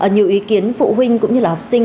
nhiều ý kiến phụ huynh cũng như là học sinh